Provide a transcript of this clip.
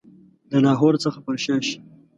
د لاهور څخه پر شا شي.